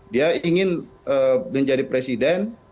dia ingin menjadi presiden